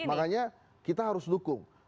makanya kita harus dukung